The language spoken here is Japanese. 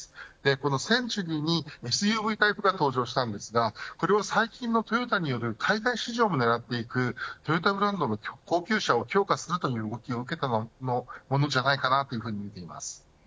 このセンチュリーにＳＵＶタイプが登場したんですがこれは最近のトヨタによる海外市場も狙っていくトヨタブランドの高級車を強化するという動きを受けてのものじゃないかとみています。